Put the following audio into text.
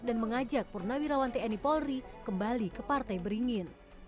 dan mengajak purnawirawan tni polri kembali ke partai beringin